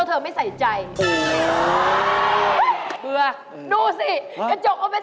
อ้าวมันชุดใจอีกแล้ว